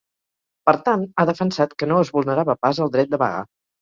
Per tant, ha defensat que no es vulnerava pas el dret de vaga.